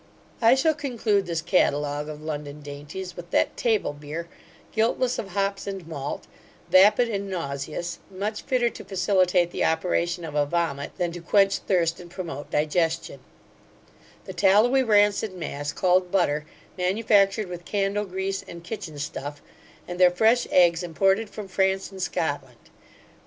I shall conclude this catalogue of London dainties, with that table beer, guiltless of hops and malt, vapid and nauseous; much fitter to facilitate the operation of a vomit, than to quench thirst and promote digestion; the tallowy rancid mass, called butter, manufactured with candle grease and kitchen stuff; and their fresh eggs, imported from France and Scotland.